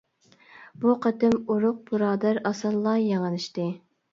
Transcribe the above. بۇ قېتىم ئورۇق بۇرادەر ئاسانلا يېڭىلىشتى.